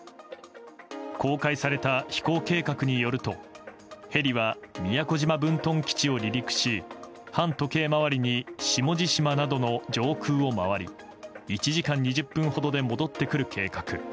公開された飛行計画によるとヘリは宮古島分屯基地を離陸し反時計回りに下地島などの上空を回り１時間２０分ほどで戻ってくる計画。